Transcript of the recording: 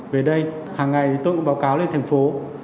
về đây hàng ngày thì tôi cũng báo cáo lên thành phố